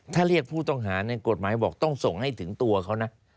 ถ้าเรียกผู้ต้องหาเนี่ยกฎหมายบอกต้องส่งให้ถึงตัวเขานะ